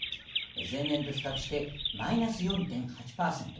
前年と比較してマイナス４．８％。